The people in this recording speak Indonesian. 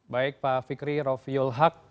baik pak fikri rofiul haq